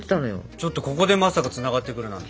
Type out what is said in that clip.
ちょっとここでまさかつながってくるなんて。